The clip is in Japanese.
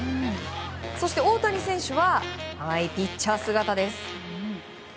そして大谷選手はピッチャー姿です。